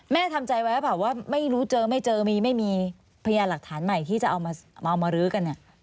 แม่ทำใจไว้ว่าไม่รู้เจอไม่เจอไม่มีพยานหลักฐานใหม่ที่จะเอามารื้อกัน